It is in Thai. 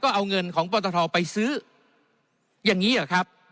เอาเงินของปตทไปซื้ออย่างนี้เหรอครับ